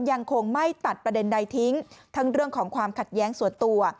ยังคงไม่ตัดประเด็นใดทิ้งทั้งเรื่องของความขัดแย้งส่วนตัว